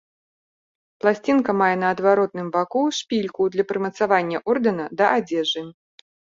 Пласцінка мае на адваротным баку шпільку для прымацавання ордэна да адзежы.